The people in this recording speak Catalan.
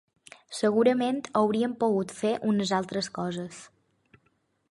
Segurament hauríem pogut fer unes altres coses.